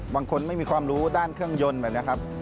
ไม่มีความรู้ด้านเครื่องยนต์แบบนี้ครับ